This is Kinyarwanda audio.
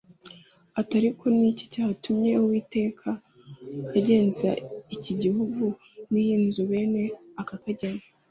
ati ‘Ariko ni iki cyatumye Uwiteka agenza iki gihugu n’iyi nzu bene aka kageni?’